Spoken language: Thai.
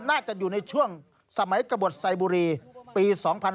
น่าจะอยู่ในช่วงสมัยกระบดไซบุรีปี๒๕๕๙